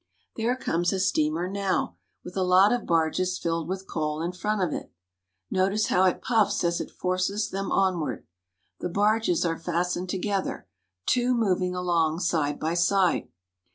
There comes a steamer now, with a lot of barges filled with coal in front of it. Notice how it puffs as it forces them onward. The barges are fastened together, two moving along side by side.